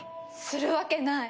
するわけない！